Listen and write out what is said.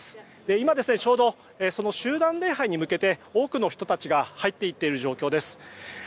今、ちょうど集団礼拝に向けて多くの人たちが入っていっている状況です。